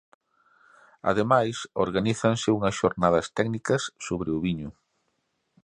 Ademais organízanse unhas xornadas técnicas sobre o viño.